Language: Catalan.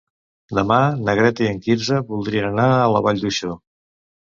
Demà na Greta i en Quirze voldrien anar a la Vall d'Uixó.